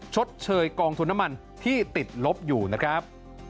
ชดเชยกองทุนน้ำมันที่ติดลบอยู่นะครับ